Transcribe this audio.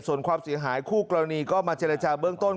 ส่วนความเสียหายคู่กรณีก็มาเจรจาเบื้องต้น